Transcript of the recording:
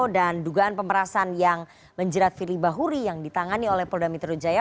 dan dugaan pemerasan yang menjerat fili bahuri yang ditangani oleh polda metro jaya